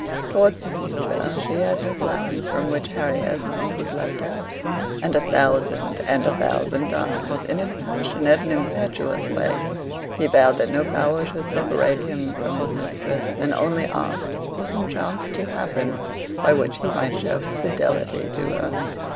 towards the future, she had no plans from which Harry Esmond was left out; and a thousand and a thousand times, in his passionate and impetuous way, he vowed that no power should separate him from his mistress; and only asked for some chance to happen by which he might show his fidelity to her.